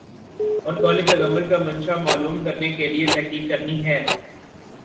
اور قولِ پیغمبر کا منشامعلوم کرنے کے لیے تحقیق کرنی ہے